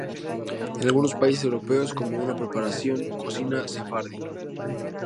En algunos países europeos como una preparación cocina sefardí.